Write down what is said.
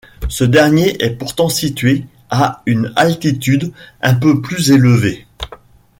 Ce dernier est pourtant situé à une altitude un peu plus élevée.